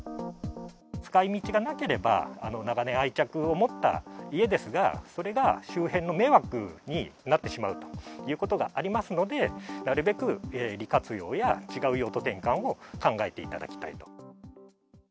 使いみちがなければ、長年、愛着を持った家ですが、それが周辺の迷惑になってしまうということがありますので、なるべく利活用や、違う用途転換を考えていただきたいと。